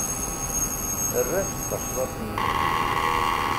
Err-as-d tacḍaṭ n Nnbi.